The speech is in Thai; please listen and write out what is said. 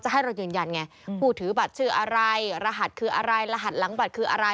ให้เรายืนยันไงผู้ถือบัตรชื่ออะไรรหัสคืออะไรรหัสหลังบัตรคืออะไร